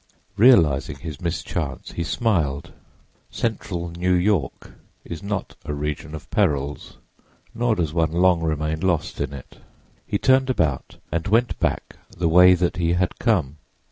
Realizing his mischance, he smiled; central New York is not a region of perils, nor does one long remain lost in it. He turned about and went back the way that he had come.